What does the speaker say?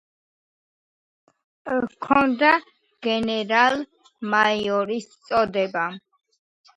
ჰქონდა გენერალ-მაიორის წოდება.